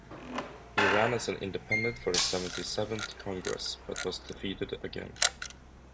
He ran as an Independent for the Seventy-seventh Congress but was defeated again.